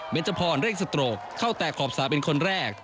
เบนเจพรเรียกสตรกเข้าแต่ขอบสาเป็นคนแรก